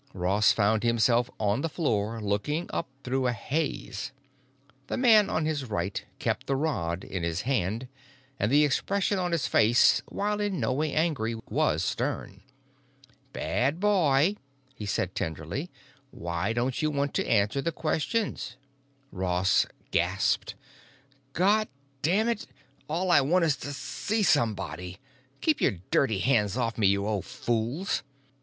Ross found himself on the floor, looking up through a haze. The man on his right kept the rod in his hand, and the expression on his face, while in no way angry, was stern. "Bad boy," he said tenderly. "Why don't you want to answer the questions?" Ross gasped, "God damn it, all I want is to see somebody! Keep your dirty hands off me, you old fools!"